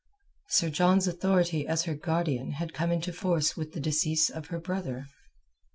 Sir John's authority as her guardian had come into force with the decease of her brother.